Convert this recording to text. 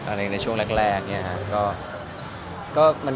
อะไรในช่วงแรกเนี่ย